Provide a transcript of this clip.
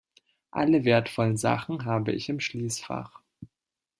Alle wertvollen Sachen habe ich im Schließfach.